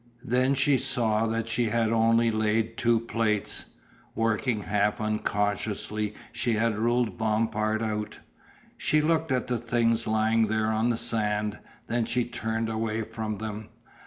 Then she saw that she had only laid two plates. Working half unconsciously she had ruled Bompard out. She looked at the things lying there on the sand, then she turned away from them.